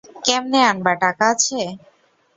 কেমনে আনবা, টাকা আছে?